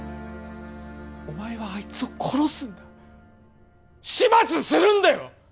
お前はあいつを殺すんだ始末するんだよ！